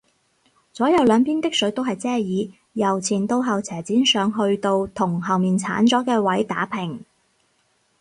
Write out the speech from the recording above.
左右兩邊的水都係遮耳，由前到後斜剪上去到同後面剷咗嘅位打平